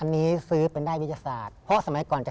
อันนี้ซื้อเป็นได้วิทยาศาสตร์